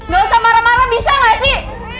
gak usah marah marah bisa nggak sih